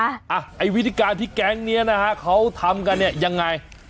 ไอ้วิธีการที่แก๊งนี้นะฮะเขาทำกันเนี่ยยังไง